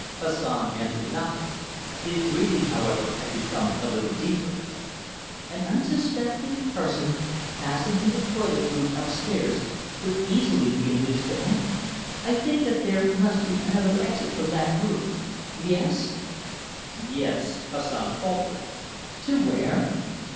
Hassan answered nothing. His breathing, however, had become a little deeper. "An unsuspecting person, passing from the toilet rooms upstairs, could easily be induced to enter. I think that there must be another exit from that room. Yes?" "Yes!" Hassan faltered. "To where?"